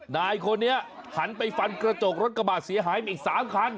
นายคนนี้หันไปฟันกระจกรถกระบาดเสียหายมาอีก๓คัน